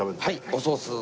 おソース。